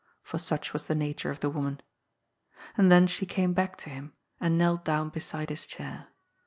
For such was the nature of the woman. And then she came back to him and knelt down beside his chair.